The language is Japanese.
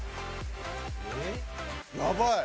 やばい。